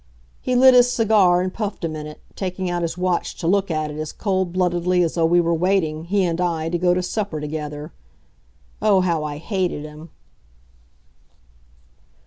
He lit his cigar and puffed a minute, taking out his watch to look at it, as cold bloodedly as though we were waiting, he and I, to go to supper together. Oh, how I hated him!